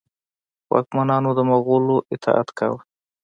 واکمنانو د مغولو اطاعت کاوه.